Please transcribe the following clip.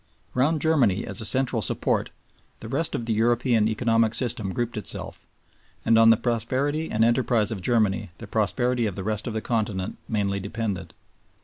Round Germany as a central support the rest of the European economic system grouped itself, and on the prosperity and enterprise of Germany the prosperity of the rest of the Continent mainly depended.